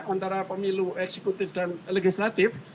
antara pemilu eksekutif dan legislatif